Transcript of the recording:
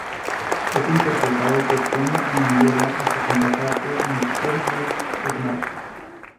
Es interpretado por Tony Amendola, y su contraparte en Storybrooke es Marco.